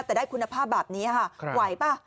แต่ได้คุณภาพแบบนี้ค่ะไหวป่ะ